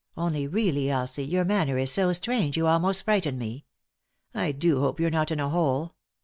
Only, really, Elsie, your manner is so strange you almost frighten me. I do hope you're not in a bote.